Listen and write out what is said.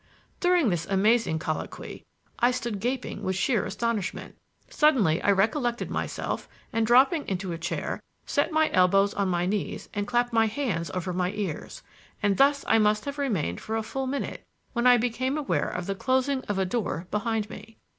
During this amazing colloquy I had stood gaping with sheer astonishment. Suddenly I recollected myself, and dropping into a chair, set my elbows on my knees and clapped my hands over my ears; and thus I must have remained for a full minute when I became aware of the closing of a door behind me.